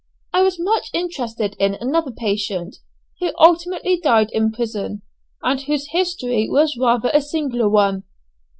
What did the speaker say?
I was much interested in another patient, who ultimately died in prison, and whose history was rather a singular one.